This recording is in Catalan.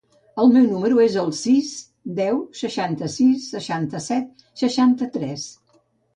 El meu número es el sis, deu, seixanta-sis, setanta-set, seixanta-tres.